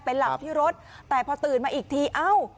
หลับที่รถแต่พอตื่นมาอีกทีเอ้า